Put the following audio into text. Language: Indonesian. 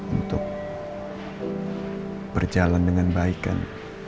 untuk berjalan dengan baik kan